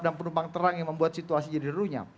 penumpang terang yang membuat situasi jadi runyam